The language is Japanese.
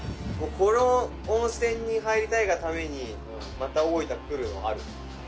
この温泉に入りたいがためにまた大分来るのある。